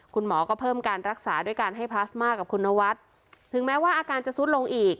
คุณหมอก็เพิ่มการรักษาด้วยการให้พลาสมากับคุณนวัฒน์ถึงแม้ว่าอาการจะซุดลงอีก